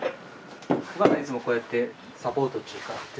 お母さんいつもこうやってサポートっちゅうか手伝って？